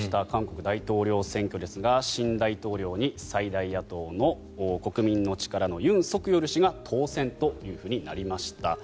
韓国大統領選挙ですが新大統領に最大野党の国民の力のユン・ソクヨル氏が当選というふうになりました。